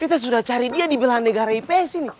kita sudah cari dia di belandegara ips ini